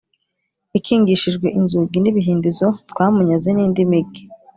ikingishijwe inzugi n ibihindizo Twamunyaze n indi migi